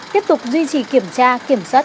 tiếp tục duy trì kiểm tra kiểm soát